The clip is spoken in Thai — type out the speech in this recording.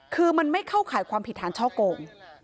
คือมันไม่เข้าข่ายความผิดฐานช่อโกง